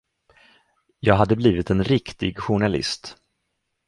Jag hade blivit en riktig journalist.